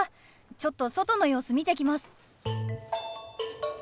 ちょっと外の様子見てきます。